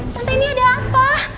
tante ini ada apa